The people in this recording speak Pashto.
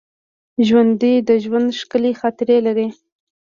ژوندي د ژوند ښکلي خاطرې لري